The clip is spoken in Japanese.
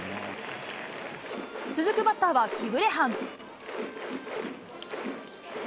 続くバッターは、キブレハン。